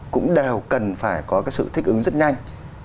cũng đều cần phải có cái sự thích ứng rất nhanh